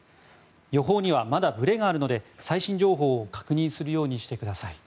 予報にはまだぶれがあるので最新情報を確認するようにしてください。